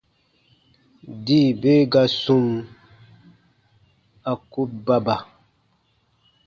Dii be ga sum, a ku baba.